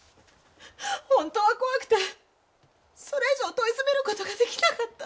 本当は怖くてそれ以上問い詰める事が出来なかった。